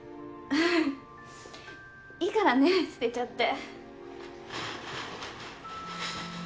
ううっいいからね捨てちゃって。